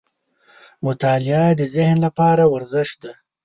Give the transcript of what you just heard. • مطالعه د ذهن لپاره ورزش دی.